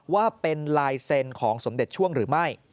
ว่าเป็นลายเซ็นต์ของสมเด็จช่วงหรือไม่